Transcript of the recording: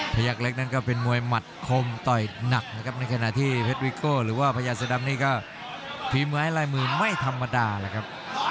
ยักษ์เล็กนั้นก็เป็นมวยหมัดคมต่อยหนักนะครับในขณะที่เพชรวิโก้หรือว่าพญาเสือดำนี่ก็พิมพ์ไว้ลายมือไม่ธรรมดาเลยครับ